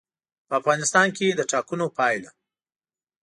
په افغانستان کې د ټاکنو پایله.